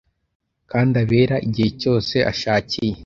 Kandi abera igihe cyose ashakiye